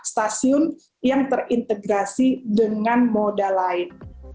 stasiun yang terintegrasi dengan moda lain